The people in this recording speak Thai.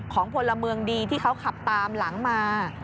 พลเมืองดีที่เขาขับตามหลังมา